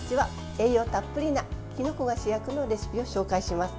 栄養たっぷりなきのこが主役のレシピを紹介します。